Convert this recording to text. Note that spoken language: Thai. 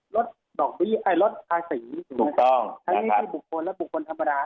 รถดอกบี้อ่ารถอาสีถูกต้องให้บุคคลและบุคคลธรรมดา